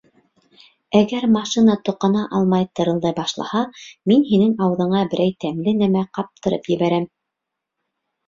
— Әгәр машина тоҡана алмай тырылдай башлаһа, мин һинең ауыҙыңа берәй тәмле нәмә ҡаптырып ебәрәм.